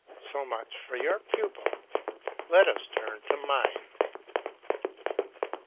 So much for your pupil; let us turn to mine.